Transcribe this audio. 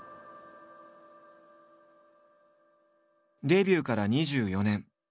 デビューから２４年。